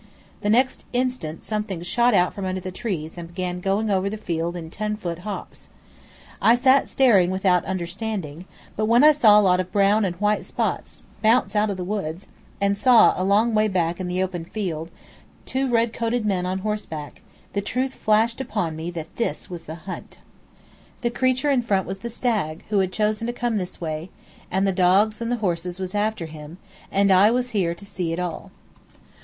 The next instant something shot out from under the trees and began going over the field in ten foot hops. I sat staring without understanding, but when I saw a lot of brown and white spots bounce out of the wood, and saw, a long way back in the open field, two red coated men on horseback, the truth flashed upon me that this was the hunt. The creature in front was the stag, who had chosen to come this way, and the dogs and the horses was after him, and I was here to see it all.